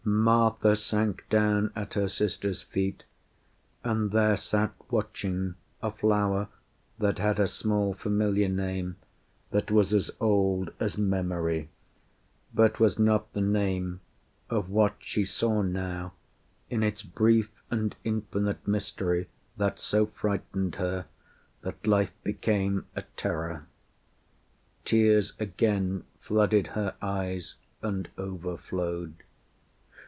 Martha sank Down at her sister's feet and there sat watching A flower that had a small familiar name That was as old as memory, but was not The name of what she saw now in its brief And infinite mystery that so frightened her That life became a terror. Tears again Flooded her eyes and overflowed.